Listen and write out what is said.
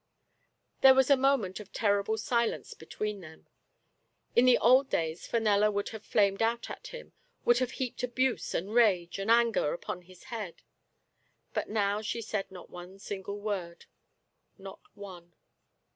There was a moment of terrible silence between them. In the old days Fenella would have flamed out at him — ^would have heaped abuse and rage and anger upon his head; but now she said not one single word — not one.